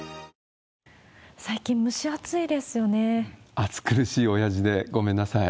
暑苦しいおやじでごめんなさい。